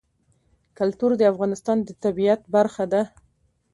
کلتور د افغانستان د طبیعت برخه ده.